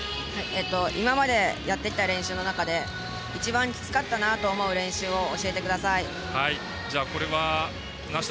今までやってた練習の中で一番きつかったなと思う練習を教えてください。